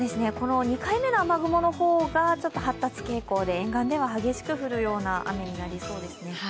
この２回目の雨雲の方がちょっと発達傾向で沿岸では激しく降るような雨になりそうですね。